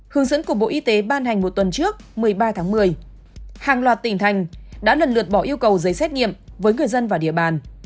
hướng dẫn của bộ y tế ban hành một tuần trước một mươi ba tháng một mươi hàng loạt tỉnh thành đã lần lượt bỏ yêu cầu giấy xét nghiệm với người dân và địa bàn